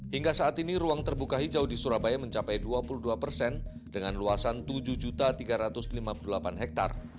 hingga saat ini ruang terbuka hijau di surabaya mencapai dua puluh dua persen dengan luasan tujuh tiga ratus lima puluh delapan hektare